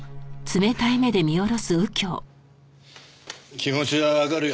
気持ちはわかるよ。